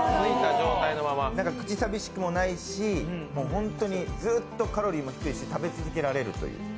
口さみしくもないし、本当にずっとカロリーも低いし食べ続けられるという。